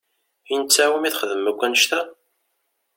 I netta i wumi txedmem akk annect-a?